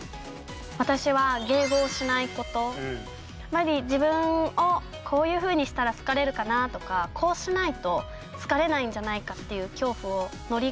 私は自分をこういうふうにしたら好かれるかなとかこうしないと好かれないんじゃないかっていう恐怖を乗り越えて。